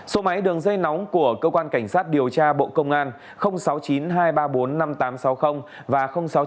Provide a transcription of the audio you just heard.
số máy đường dây nóng của cơ quan cảnh sát điều tra bộ công an sáu mươi chín hai trăm ba mươi bốn năm nghìn tám trăm sáu mươi và sáu mươi chín hai trăm ba mươi một một nghìn sáu trăm